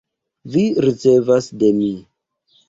Vi ricevas de mi